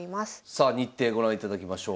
さあ日程ご覧いただきましょう。